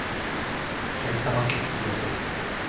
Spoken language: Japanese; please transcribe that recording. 埼玉県清瀬市